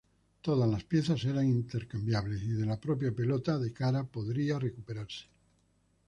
Todas las piezas eran intercambiables y de la propia pelota de cara podría recuperarse.